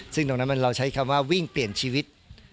ซึ่งตรงนั้นเราใช้คำว่าวิ่งเปลี่ยนชีวิต